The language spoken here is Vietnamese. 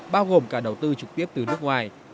bao gồm cả đầu tư trực tiếp từ nước ngoài